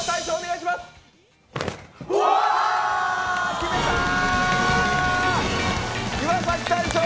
決めたー！